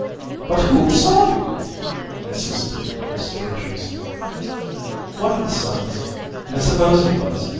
"But WHO saw you?" insisted Mrs. Vertrees. "One of the sons, I suppose he was.